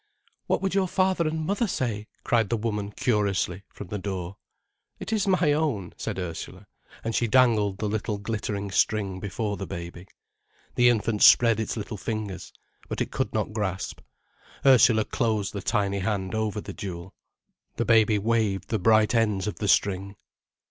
"What would your father and mother say?" cried the woman curiously, from the door. "It is my own," said Ursula, and she dangled the little glittering string before the baby. The infant spread its little fingers. But it could not grasp. Ursula closed the tiny hand over the jewel. The baby waved the bright ends of the string.